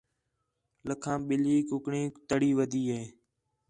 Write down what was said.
لَکھام ٻِلّھی کُکڑینک تڑی ودی ہِے